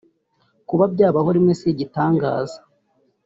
Kuba byabaho rimwe si igitangaza